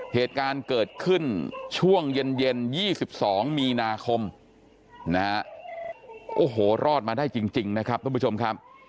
เหตุการณ์เกิดขึ้นช่วงเย็น๒๒มีนาคมนะฮะโอ้โหรอดมาได้จริงนะครับทุกผู้ชมครับ